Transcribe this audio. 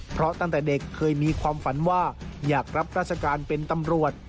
เพราะตั้งแต่เด็กเคยมีความฝันว่าอยากรับราชการเป็นตำรวจ